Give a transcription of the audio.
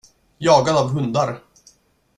Jagad av hundar.